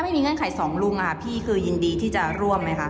ถ้าไม่มีเงื่อนไขสองลุงพี่คือยินดีที่จะร่วมไหมครับ